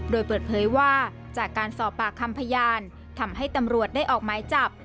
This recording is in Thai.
โดยเปิดเผยว่าจากการสอบปากคำพยานทำให้ตำรวจได้ออกหมายจับ